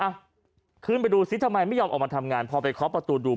อ่ะขึ้นไปดูซิทำไมไม่ยอมออกมาทำงานพอไปเคาะประตูดู